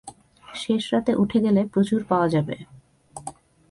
শেষ রাতে উঠে গেলে প্রচুর পাওয়া যাবে।